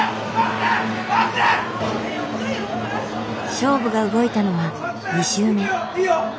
勝負が動いたのは２周目。